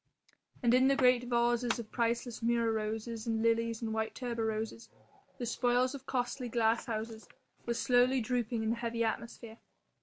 And in the great vases of priceless murra roses and lilies and white tuberoses, the spoils of costly glasshouses, were slowly drooping in the heavy atmosphere.